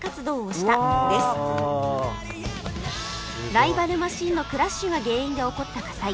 ライバルマシンのクラッシュが原因で起こった火災